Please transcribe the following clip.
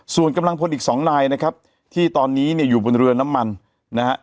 ส่วนกำลังพลอีกสองนายนะครับที่ตอนนี้เนี่ยอยู่บนเรือน้ำมันนะฮะ